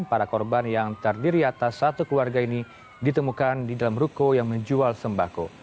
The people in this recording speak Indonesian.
para korban yang terdiri atas satu keluarga ini ditemukan di dalam ruko yang menjual sembako